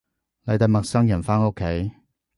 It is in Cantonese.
你帶陌生人返屋企